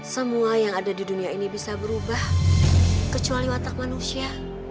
semua yang ada di dunia ini bisa berubah kecuali watak manusia